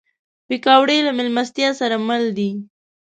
پکورې له میلمستیا سره مل دي